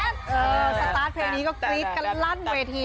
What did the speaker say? เออสตาร์ทเพลย์นี้ก็กรี๊ดกันแล้วร่ำเวที